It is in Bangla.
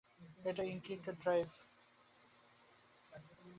একটা এনক্রিপ্টেড ড্রাইভ।